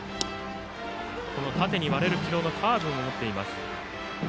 縦に割れる軌道のカーブも持っています。